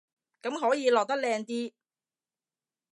咁可以落得靚啲